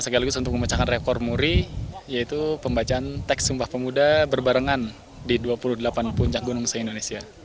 sekaligus untuk memecahkan rekor muri yaitu pembacaan teks sumpah pemuda berbarengan di dua puluh delapan puncak gunung se indonesia